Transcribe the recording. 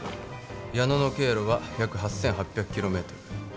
矢野の経路は約８，８００キロメートル。